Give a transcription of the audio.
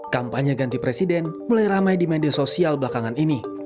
kampanye ganti presiden mulai ramai di media sosial belakangan ini